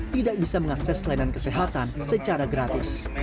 tidak bisa mengakses layanan kesehatan secara gratis